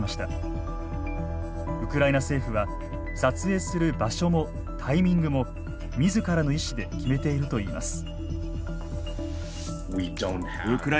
ウクライナ政府は撮影する場所もタイミングも自らの意思で決めているといいます。